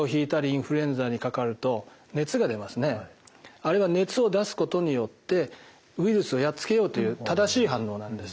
あれは熱を出すことによってウイルスをやっつけようという正しい反応なんです。